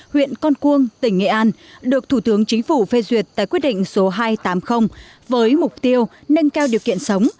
huyện con cuông tỉnh nghệ an được thủ tướng chính phủ phê duyệt tại quyết định số hai trăm tám mươi với mục tiêu nâng cao điều kiện sống